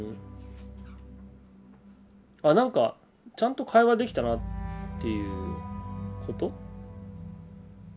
あなんかちゃんと会話できたなっていうこと？